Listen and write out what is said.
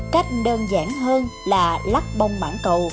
cách đơn giản hơn là lắc bông mãn cầu